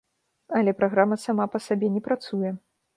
Але праграма сама па сабе не працуе.